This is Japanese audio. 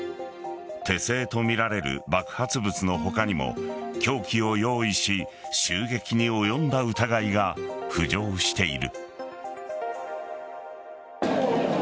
手製とみられる爆発物の他にも凶器を用意し襲撃に及んだ疑いが浮上している。